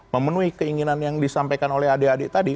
memenuhi keinginan yang disampaikan oleh adik adik tadi